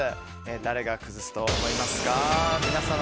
誰が崩すと思いますか？